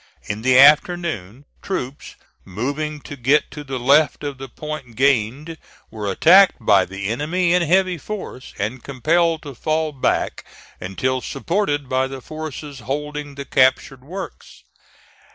In the afternoon, troops moving to get to the left of the point gained were attacked by the enemy in heavy force, and compelled to fall back until supported by the forces holding the captured works.